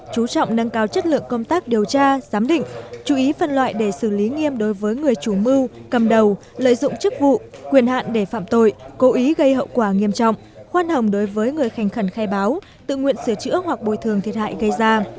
chú trọng nâng cao chất lượng công tác điều tra giám định chú ý phân loại để xử lý nghiêm đối với người chủ mưu cầm đầu lợi dụng chức vụ quyền hạn để phạm tội cố ý gây hậu quả nghiêm trọng khoan hồng đối với người khánh khẩn khai báo tự nguyện sửa chữa hoặc bồi thường thiệt hại gây ra